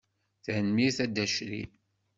Tanemmirt a Dda Crif.